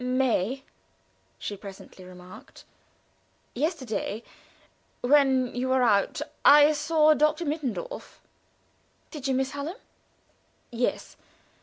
"May," she presently remarked, "yesterday, when you were out, I saw Doctor Mittendorf." "Did you, Miss Hallam?" "Yes.